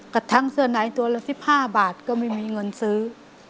กระทั่งเสื้อในตัวละ๑๕บาทก็ไม่มีเงินซื้อ